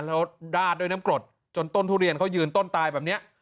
แล้วราดด้วยน้ำกรดจนต้นทุเรียนเขายืนต้นตายแบบนี้